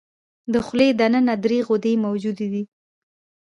د خولې د ننه درې غدې موجودې دي.